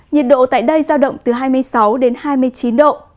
nhiệt độ tại đây giao động từ hai mươi sáu đến hai mươi chín độ